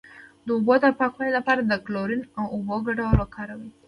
د اوبو د پاکوالي لپاره د کلورین او اوبو ګډول وکاروئ